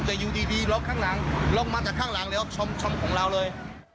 แต่อยู่ดีล็อกข้างหลังลงมาจากข้างหลังแล้วชมของเราเลย